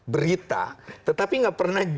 berita tetapi nggak pernah